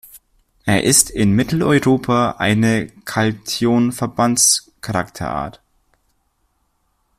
Er ist in Mitteleuropa eine Calthion-Verbandscharakterart.